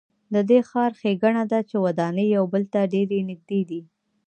د دې ښار ښېګڼه ده چې ودانۍ یو بل ته ډېرې نږدې دي.